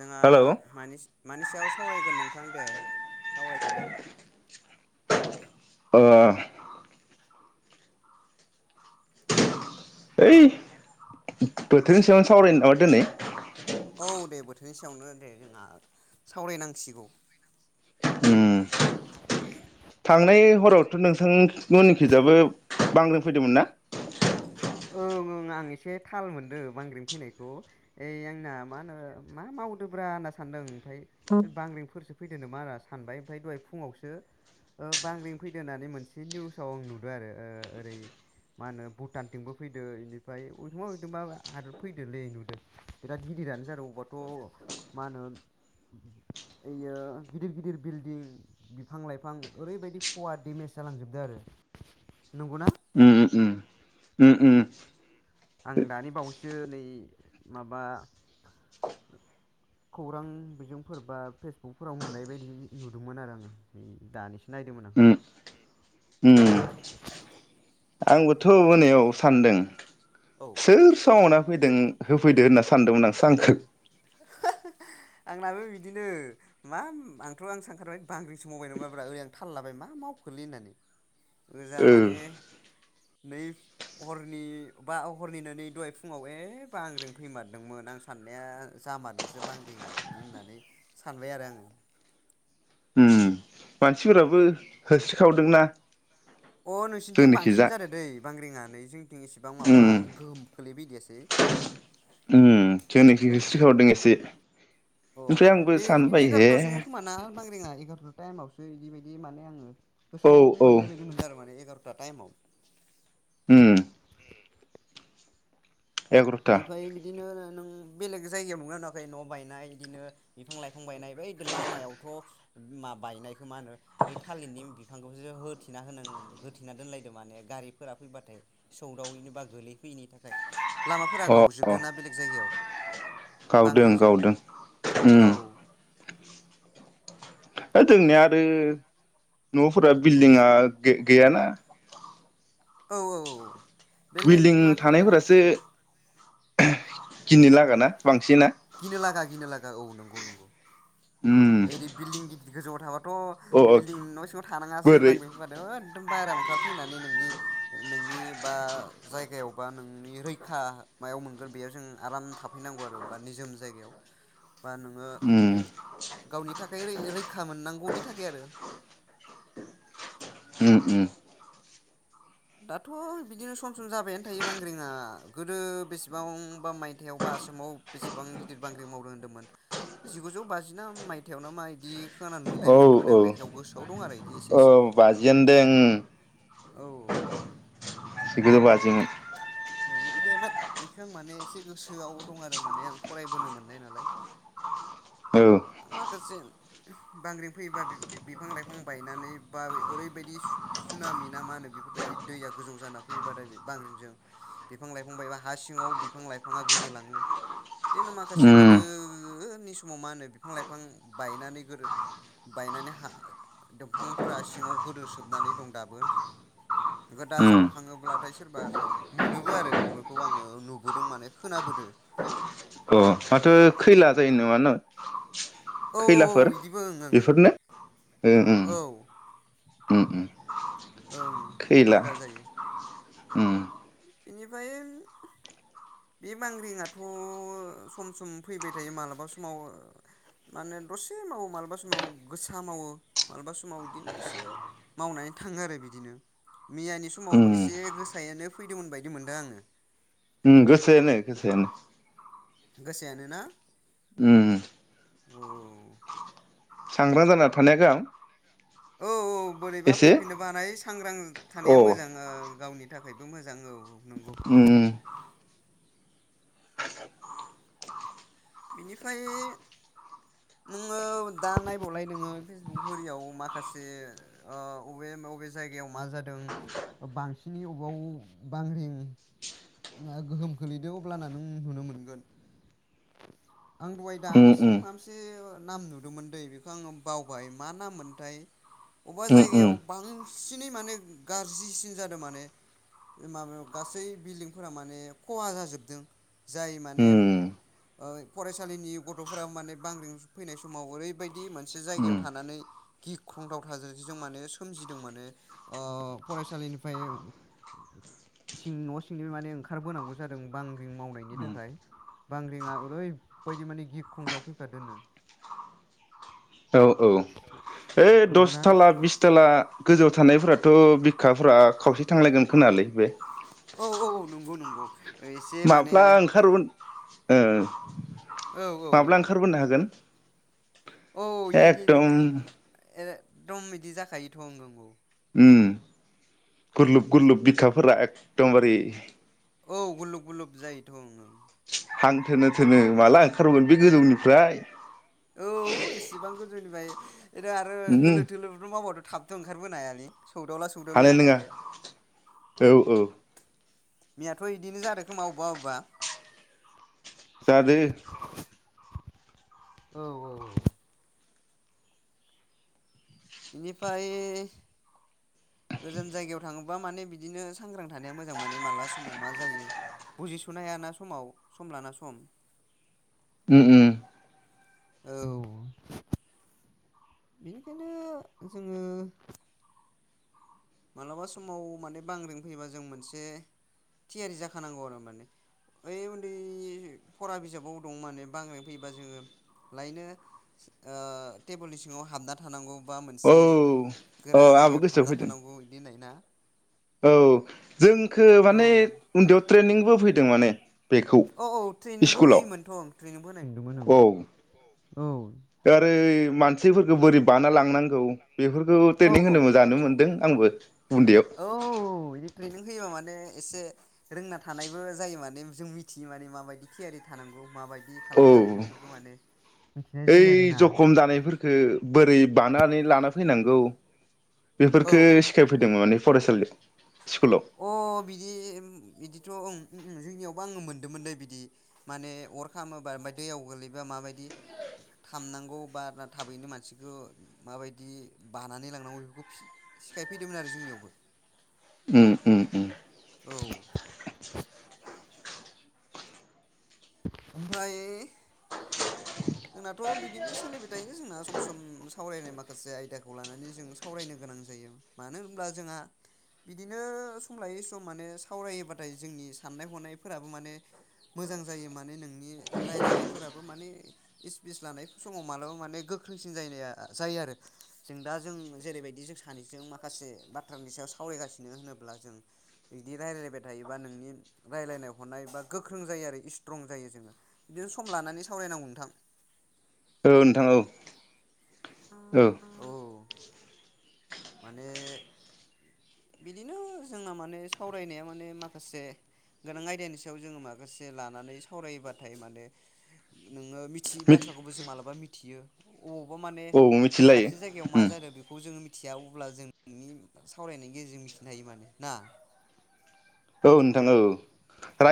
जोंहा हेलौ ओ मानिस मानि सायाव सावरायगोन नोंथां दे? सावरायफिनदो। ओ ओइ बोथोरनि सायावनो सावरायनो नामा दोनै? औ दे बोथोरनि सायावनो दे जोंहा सावरायनांसिगौ। उम थांनाय हरावथ' नोंथांमोननिखिजाबो बांग्रिं फैदोंमोन ना? ओं ओं आं एसे थाल मोनदों बांग्रिं फैनायखौ। ओइ आंना मा होनो मा मावदोब्रा होनना सानदों ओमफ्राय बांग्रिंफोरसो फैदो मा सानबाय ओमफ्राय दहाय फुङावसो ओ बांग्रिं फैदो होननानै मोनसे निउसाव आं नुदों आरो ओ ओरै मा होनो भुटानथिंबो फैदो इनिफ्राय अबेथिंबा अबेथिंबा हादर फैदोलै नुदो बिराद गिदिरानो जादों अबेबाथ' मा होनो ओइयो गिदिर गिदिर बिल्डिं बिफां-लाइफां ओरैबायदि खवा डेमेज जालांजोबदों आरो। नंगौना? उम उम उम उम। आं दानि बावैसो नै माबा खौरां बिजोंफोर बा फेसबुकफोराव नुनाय बायदि नुदोंमोन आरो आङो नै दानिसो नायदोंमोन आं। उम। उम आंबोथ' मोनायाव सानदों। औ सोर सोमावना होफैदों होफैदो होनना सानदोंमोन आं। सांखो आंनाबो बिदिनो मा आंथ' आं सानखारबाय बांग्रिसो मावबाय नाब्रा ओरै आं थाल लाबाय मा मावखोलै होननानै ओजा ओ माने नै हरनि बा हरनिनो नै दहाय फुङाव ए बांग्रिं फैमारदोंमोन आं साननाया जामारदोंसो बांग्रिंया बिदि होननानै सानबाय आरो आङो। ओम मानसिफोराबो होस्रिखावदोंना अ नोंसिनिथिं जोंनिखिजा बांसिन जादो दै बांग्रिया नै जोंथिं एसेबां उम माबा गोहोम खोलैफैदिया सै। उम जोंनिखै होस्रिखावदों एसे अ ओमफ्राय आंबो बे बिदिनो सानबाय हे एगार'थासोमोन खोमा ना बांग्रिङा एंगार'था टाइमावसो इदिबायदि माने आङो औ गोसोआव औ मोननाय बायदि मोनदों आरो माने एगार' था टाइमावआव। होम। एगार'था बेनिफ्राय बिदिनो नों बेलेग जायगायाव नुदोंना नुवाखै न' बायनाय बिदिनो बिफां लाइफां बायनाय बै लामायावथ' मा बायनायखौ मा होनो ओइ थालिरनि बिफांखौसो होथेना होनां होथेना दोनलायदों माने गारिफोरा फैबाथाय सौदावैनि बा गोलैफैयैनि थाखाय लामाफोरा अ अ गावजोबदों ना बेलेग जायगायाव। गावदों बांग्रिंजों गावदों औ उम। ओ दोंनिया आरो न'फोरा बिल्डिंआ गै-गैयाना औ औ औ औ। बेलेग बिल्डिं माने थानायफोरासो गिनो लागाना बांसिना? गिनो लागा गिनो लागा औ नंगौ नंगौ। उम ओरै बिल्डिं गिदिर गोजौआव अ थाबाथ' अ बिल्डं न' सिङाव थानाङासो बोरै बांग्रिं फैबाथ' एखदम बायेराव ओंखारफैनानै नोंनि नोंनि बा जायगायाव बा नोंनि रैखा मायाव मोनगोन बेयाव जों आराम थाफैनांगौ आरो बा निजोम जायगायाव बा नोङो उम गावनि थाखाय रै रैखा मोनांगौनि थाखाय आरो। उम उम दाथ' बिदिनो सम सम जाबायानो थायो बांग्रिंया। गोदो बेसेबांबा मायथाइयाव बा आसामाव बेसेबां गिदिर बांग्रिं मावदों होनदोंमोन? जिगुजौ बाजि ना मायथाइयाव ना मा बिदि खोना नुनाय औ मोनदोंमोन आं लेखायाव गोसोआव दं आरो बिदि एसे एसे अ बाजियानो दें उम। औ। जिगुजौ बाजिमोन। औ इखौ इमान इखौ आं माने एसे गोसोयाव दं आरो माने आं फरायबोनो मोननाय नालाय। औ। माखासे बांग्रिं फैयोबा बि-बिफां लाइफां बायनानै बा ओरैबायदि सु-सुनामि ना मा होनो बेफोरबायदि दैया गोजौ जाना फैयोबाथाय बे बांग्रिंजों बिफां लाइफां बायबा हा सिङाव बिफां लाइफाङा गोदोलाङो। बिदिनो माखासे उम गोदोनि समाव मा होनो बिफां लाइफां बायनानै गोदो बायनानै हा दंफांफोरा सिङाव गोदो सोबनानै दं दाबो। बेखौ दा उम जावखाङोब्लाथाय सोरबा मोनोबो आरो बेफोरखौ आङो नुबोदों माने खोनाबोदो। अ माथो खैला जायो नो मा नो? औ औ औ बिदिबो ओं ओं बेफोरनो ओ उम ओं औ। उम उम ओं खैला जायो। उम। बेनिफाय बे बांग्रिङाथ' सम सम फैबाय थायो मालाबा समाव माने दसे मावो मालाबा समाव गोसा मावो मालाबा समाव बिदिनो एसे मावनानै थाङो आरो बिदिनो मैयानि समाव उम एसे गोसायानो फैदोंमोन बायदि मोनदों आङो। उम गोसोनो गोसोनो। गोसायानोना? उम उम। औ। सांग्रां जाना थानाया‌ गाहाम औ औ बोरैबा एसे फैफिननोबो हानाय सांग्रां औ थानाया मोजां ओ गावनि थाखायबो मोजां औ औ। नंगौ उम उम। बिनिफ्राय नोङो दा नायबावलाय नोङो फेसबुक ओरियाव माखासे ओ अबे अबे जायगायाव मा जादों बांसिनै अबाव बांग्रिंआ गोहोम खोलैदों अब्लाना नों नुनो मोनगोन। आं दहाय उम दानिसो माबा मोनसे नाम नुदोंमोन दै बेखौ आङो बावबाय मा नाम मोनथाय अबा उम जायगायाव उम बां सिनै माने गाज्रिसिन जादों माने माबायाव गासै बिल्डिंफोरा माने खहा जाजोबदों जाय माने उम ओ फरायसालिनि गथ'फोरा माने बांग्रिं फैनाय समाव ओरैबायदि मोनसे उम जायगायाव थानानै गिख्रंथाव थासारिजों माने सोमजिदों माने ओ फरायसालिनिफ्राय न' सिंनि माने ओंखारबोनांगौ जादों बांग्रिं मावनायनि थाखाय बांग्रिंआ ओरैबायदि माने गिख्रंथाव फैखा दोनो। औ औ ओइ नंगौना? दसथाला बिसथाला गोजौ थानायफोराथ' बिखाफ्रा खावसे थांलायगोन खोनालै बे? औ औ औ नंगौ नंगौ। एसे माने माब्ला ओंखारगोन ओ औ औ माब्ला औ औ ओंखारबोनो हागोन औ इदिदि एकदम एकदम इदि जाखायोथ' ओं नंगौ उम गुरलुब गुरलुब बिखाफोरा एखदमबारे औ गुलुब गुलुब जायोथ' ओं ओं हांथोनो थोनो माला ओंखारबोगोन बे गोजौनिफ्राय औ एसेबां गो जौनिफाय आरो उम होलो थोलोथ' मावबावदों थाबथ' ओंखारबोन हायालै सौदावला सौदावलि हानाय नङा जाखायो औ औ मैयाथ' इदिनो जादो खोमा अबा अबा जादो औ औ औ इनिफाय गोजान जायगायाव थाङो मा माने बिदिनो सांग्रां मानो मोजां मोनो माला समाव मा जायो बुजिसुनो हयाना समाव सम लाना सम। ओम ओम। औ बेनिखायनो जोङो मालाबा समाव माने बांग्रिं फैबा जों मोनसे थियारि जाखानांगौ आरो माने ओइ उन्दै फरा बिजाबाव दं माने बांग्रिं फैयोबा जोङो लायनो ओ टेबोलनि सिङाव हाबना थानांगौ। बा औ मोनसे अ गोरा आंहाबो जायगायाव गोसोआव हाबना फैदों थानांगौ। नायना। औ। जोंखो माने उन्दैयाव ट्रेनिंबो फैदों माने। बेखौ औ औ ट्रेनिंबो स्कुलाव होयोमोनथ ट्रेनिंबो होनाय होनदोंमोन ओं दारै मानसिफोरखौ बोरै बाना लांनांगौ। बेफोरखौ औ ट्रेनिं होनो मोजांनो मोन्दों। आंबो। उन्दैयाव। औ बिदि ट्रेनिं होयोबा माने एसे रोंना थानायबो जायो माने जों मिथियो माने माबायदि थियारि थानांगौ माबायदि। औ खालामनांगौ बेफोरखौ माने मिथिनाय ओइ जायो आरोना जखम जानायफोरखो बोरै बानानै लाना फैनांगौ। औ बेफोरफोरखो सिखायफैदों माने। फरायसालियाव स्कुलाव अ बिदि ओम बिदि थ' ओम जोंनियावबो आङो मोन्दोंमोनलै बिदि माने अर खामोबा ओमफ्राय दैयाव गोगलैबा माबायदि खामनांगौ बा थाबैनो मानसिखौ माबायदि बानानै लांनांगौ बेफोरखौ सिखायफैदोंमोन आरो जोंनियावबो। उम उम उम। औ। ओमफ्राय। जोंनाथ बिदिनो सोलिबाय थायो जोंना सम सम सावरायनाय माखासे आयदाखौ लानानै जों सावरायनो गोनां जायो मानो होनब्ला जोंहा बिदिनो सम लायै सम माने सावरायोबाथाय जोंनि साननाय हनायफोराबो माने मोजां जायो माने नोंनि रायलायनायफोराबो माने। स्पिस लानाय समाव मालाबा माने गोख्रोंसिन जायो जायो आरो जों दा जों जेरैबायदि जों सानैजों माखासे बाथ्रानि सायाव सावरायगासिनो होनोब्ला जों बिदि रायलायलायबाय थायोबा नोंनि रायलायनाय हरनाय बा गोख्रों जायो आरो स्ट्रं जायो जोङो बिदिनो सम लानानै सावरायनांगौ नोंथां। ओ नोंथां औ। औ। औ माने बिदिनो जोंना माने सावरायनाया माने माखासे गोनां आयदानि सायाव जोङो माखासे लानानै सावरायोबाथाय माने नों ङो मिथियि मिथि बाथ्राखौबो जों मालाबा मिथ थियो। अबावबा माने औ मिथिलायो दाबसे जायगायाव मा उम जादों बेखौ जोङो मिथ मिथिया अब्ला जोंनि सावरायनायनि। गेजेरजों मिथिनो हायो माने ना। औ नोंथां औ।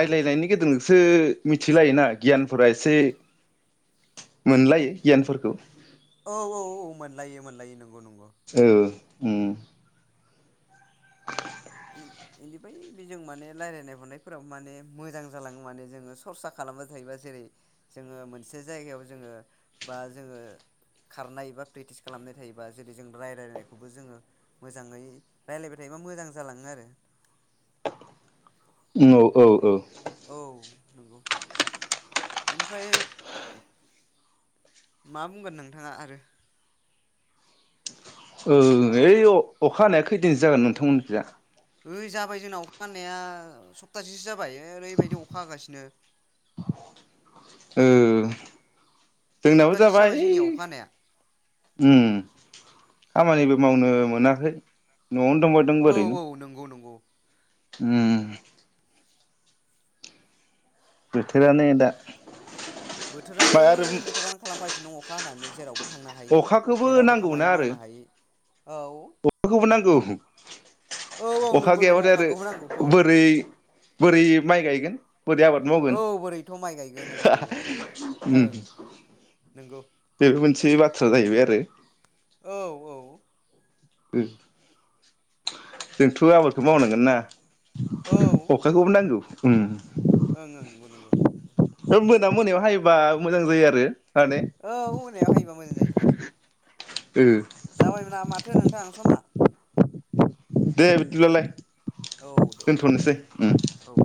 औ गेजेरजों सो मिथिलायोना गियानफोरा एसे मोनलायो गियानफोरखौ औ औ औ मोनलायो मोनलायो नोंगौ नोंगौ। औ उम बेनिफ्राय बेजों माने रायजलायनाय हरनायफोराव माने मोजां जालाङो माने जोङो सरसा खालामबाय थायोबा जेरै जोङो मोनसे जायगायाव जोङो बा जोङो खारनाय बा प्रेक्टिस खालामनाय थायोबा जेरै जों रायलायलायनायखौबो जोङो मोजाङै रायलायबाय थायोबा मोजां जालाङो आरो औ औ औ औ औ नंगौ बेनिफ्राय मा बुंगोन नोंथाङा आरो ओ ओइ अखा हानाया खैदिनसो जागोन नोंथांमोनखैजा ओइ जाबाय जोंनाव अखा हानाया सप्तासेसो जाबाय। जाबाय ओरैबायदि अखा हागासिनो। ओ जोंनाबो सप्तासेसो जाबाय। जोंनियाव अखा हानाया खामानिबो मावनो मोनाखै। न'आवनो दंबायदं औ ओरैनो औ नंगौ नंगौ उम बोथोरानो दा बोथोरानो ओमफ्राय आरो बिथोरानो खालामगासिनो दङ। अखा हानानै जेरावबो। थांनो हायि अखाखौबो जेरावबो नांगौना खामानि आरो मावनो हायि। औ। अखाखौबो नांगौ औ औ अखा नंगौ नंगौ गैयाबाथाय आरो अखाखौबो नांगौथ' बोरै बोरै माइ गायगोन। बोरै आबाद मावगोन औ बोरैथ' माइ गायगोन ओं औ औ ओं नंगौ बेबो मोनसे बाथ्रा। बाथ्रा जाहैबाय आरो। औ औ। जोंथ' आबादखौ मावनांगोन ना। अखाखौबो नांगौ। उम। ओं ओं नंगौ नंगौ। बे मोना मोनायाव हायोबा मोजां जायो आरो। माने औ मोनायाव हायोबा मोजां जायोथ'। उम। जाबायमोन माथो नोंथां समा। दे बिदिब्लालाय। औ दे दोनथ'नोसै उम। औ